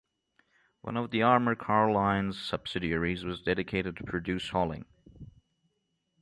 One of the Armour Car Lines' subsidiaries was dedicated to produce hauling.